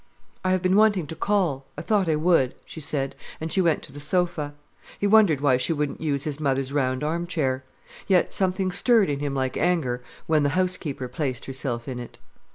"I have been wanting to call—I thought I would," she said, and she went to the sofa. He wondered why she wouldn't use his mother's round armchair. Yet something stirred in him, like anger, when the housekeeper placed herself in it.